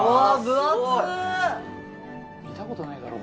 見たことないだろ。